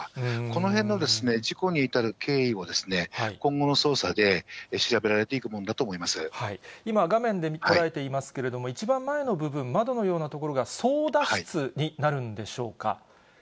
このへんの事故に至る経緯を今後の捜査で調べられていくものだと今、画面で捉えていますけれども、一番前の部分、窓のような所が操舵室になるんでしょうか。